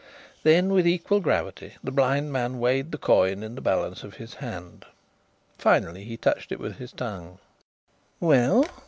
Then with equal gravity the blind man weighed the coin in the balance of his hand. Finally he touched it with his tongue. "Well?"